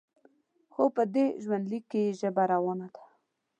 خو په دې ژوندلیک کې یې ژبه روانه ده.